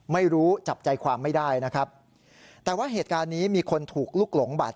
ไม่รู้จับใจความไม่ได้นะครับแต่ว่าเหตุการณ์นี้มีคนถูกลุกหลงบาดเจ็บ